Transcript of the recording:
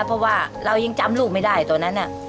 เพราะว่าเรายังจำลูกไม่ได้ตอนนั้น